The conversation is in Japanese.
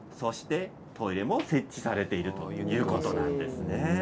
トイレも設置されているということです。